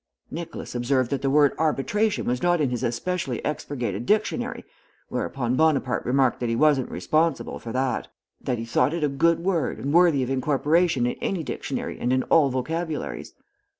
"Nicholas observed that the word arbitration was not in his especially expurgated dictionary, whereupon Bonaparte remarked that he wasn't responsible for that; that he thought it a good word and worthy of incorporation in any dictionary and in all vocabularies.